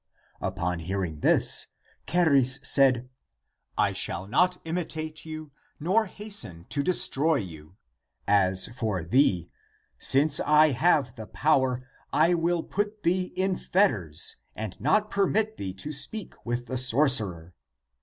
Upon hearing this, Charis said, " I shall not imitate you nor hasten to destroy you. As for thee, since I have the power, I will put thee in fetters and not permit thee to speak with the sorcerer.